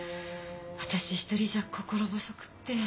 私一人じゃ心細くて。